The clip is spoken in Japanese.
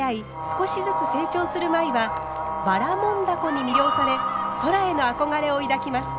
少しずつ成長する舞はばらもん凧に魅了され空への憧れを抱きます。